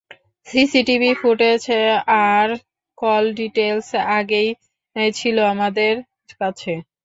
CCTV footage আর call details আগেই ছিলো আমাদের কাছে।